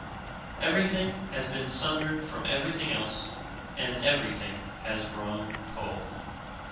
Everything has been sundered from everything else, and everything has grown cold.